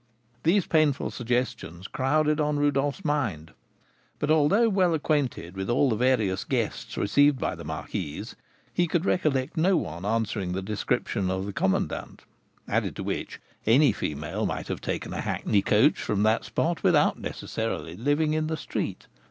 These painful suggestions crowded on Rodolph's mind, but, although well acquainted with all the various guests received by the marquise, he could recollect no one answering the description of the commandant; added to which, any female might have taken a hackney coach from that spot without necessarily living in the street.